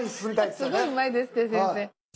すごいうまいです先生。